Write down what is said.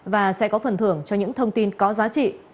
và sẽ có phần thưởng cho những thông tin có giá trị